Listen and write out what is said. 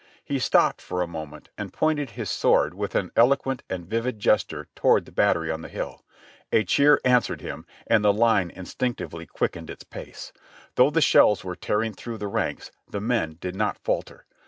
He stopped for a moment and pointed his sword with an eloquent and vivid gesture toward the battery on the hill. A cheer answered him, and the line instinctively quick ened its pace. Though the shells were tearing through the ranks, the men did not falter.